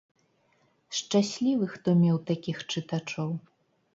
Шчаслівы, хто меў такіх чытачоў.